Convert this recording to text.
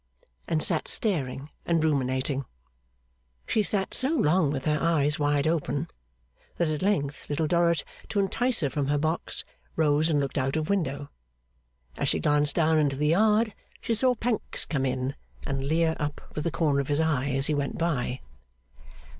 And sat staring and ruminating. She sat so long with her eyes wide open, that at length Little Dorrit, to entice her from her box, rose and looked out of window. As she glanced down into the yard, she saw Pancks come in and leer up with the corner of his eye as he went by.